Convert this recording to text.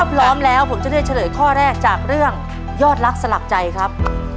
พร้อมแล้วผมจะเลือกเฉลยข้อแรกจากเรื่องยอดรักสลักใจครับ